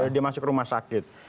dia masuk rumah sakit